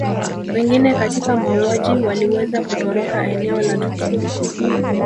Wengine katika mauaji waliweza kutoroka eneo la tukio